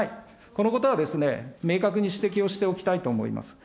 このことは、明確に指摘をしておきたいと思います。